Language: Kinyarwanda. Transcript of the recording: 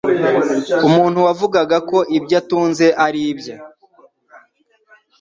umuntu wavugaga ko ibyo atunze ari ibye,